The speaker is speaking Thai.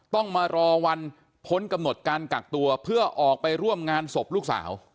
ต้องมารอวันพ้นกำหนดการกักตัวเพื่อออกไปร่วมงานศพลูกสาว